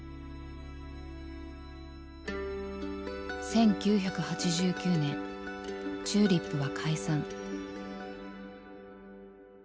１９８９年ＴＵＬＩＰは解散。